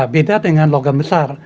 beda dengan logam besar